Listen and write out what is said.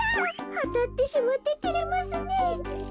あたってしまっててれますねえ。